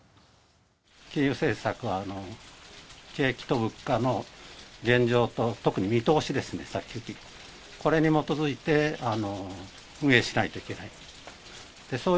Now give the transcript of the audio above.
金融政策は、景気と物価の現状と、特に見通しですね、先行き、これに基づいて運営しないといけない。